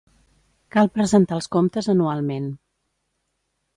Cal presentar els comptes anualment.